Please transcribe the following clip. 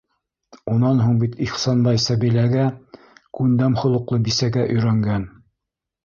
Унан һуң бит Ихсанбай Сәбиләгә - күндәм холоҡло бисәгә - өйрәнгән.